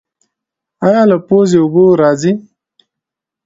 ایا له پوزې اوبه راځي؟